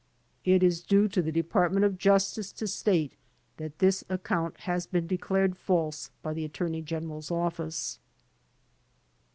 It is due to the Department of Justice to state that this account has been declared false by the Attorney General's office.